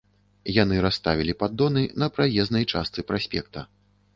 Яны расставілі паддоны на праезнай частцы праспекта.